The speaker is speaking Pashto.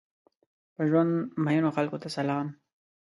په ژوند مئینو خلکو ته سلام!